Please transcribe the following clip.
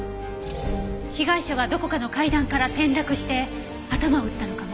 被害者はどこかの階段から転落して頭を打ったのかも。